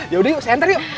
yaudah yuk saya enter yuk